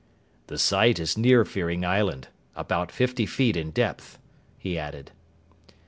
"The site is near Fearing Island about fifty feet in depth," he added.